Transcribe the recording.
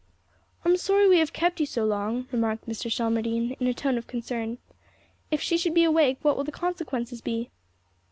"I'm sorry we have kept you so long," remarked Mr. Shelmardine in a tone of concern. "If she should be awake, what will the consequences be?"